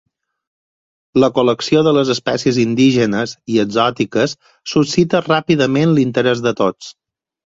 La col·lecció de les espècies indígenes i exòtiques suscita ràpidament l'interès de tots.